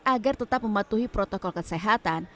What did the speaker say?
agar tetap mematuhi protokol kesehatan